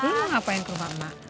lu mau ngapain ke rumah emak